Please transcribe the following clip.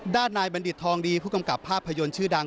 ด้านนายบัณฑิตทองดีผู้กำกับภาพยนตร์ชื่อดัง